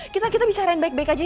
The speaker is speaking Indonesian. kita bicarain baik baik aja ya